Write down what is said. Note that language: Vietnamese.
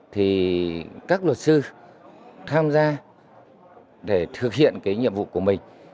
thì các luật sư tham gia để thực hiện cái nhiệm vụ của mình